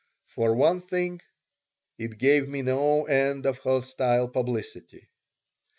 For one thing, it gave me no end of hostile publicity.